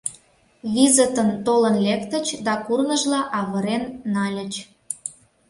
Визытын толын лектыч да курныжла авырен нальыч.